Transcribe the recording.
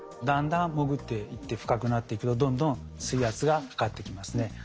だんだん潜っていって深くなっていくとどんどん水圧がかかってきますね。